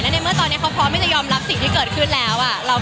ในเมื่อตอนนี้เขาพร้อมที่จะยอมรับสิ่งที่เกิดขึ้นแล้ว